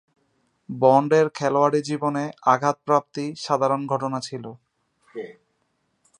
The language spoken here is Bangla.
বন্ডের খেলোয়াড়ী জীবনে আঘাতপ্রাপ্তি সাধারণ ঘটনা ছিল।